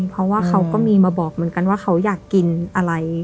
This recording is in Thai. เพราะว่าเขาก็มีมาบอกเหมือนกันว่าเขาอยากกินอะไร